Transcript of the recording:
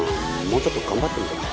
もうちょっと頑張ってみるわ。